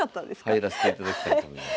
入らせていただきたいと思います。